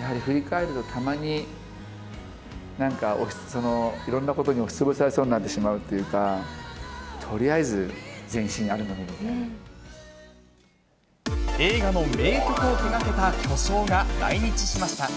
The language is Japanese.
やはり振り返るとたまに、なんか、いろんなことに押しつぶされそうになってしまうっていうか、映画の名曲を手がけた巨匠が来日しました。